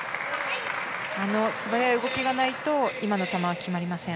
あの素早い動きがないと今の球は決まりません。